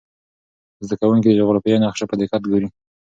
زده کوونکي د جغرافیې نقشه په دقت ګوري.